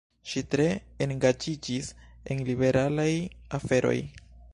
Ŝi tre engaĝiĝis en liberalaj aferoj.